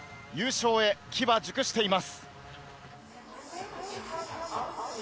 優勝に向け、機は熟しています。